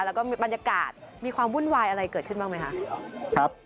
แล้วก็บรรยากาศมีความวุ่นวายอะไรเกิดขึ้นบ้างไหมคะ